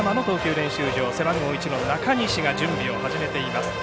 練習場背番号１の中西が準備を始めています。